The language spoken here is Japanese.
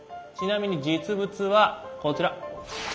ちなみに実物はこちら。